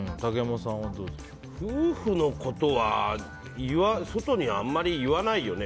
夫婦のことは外にあんまり言わないよね。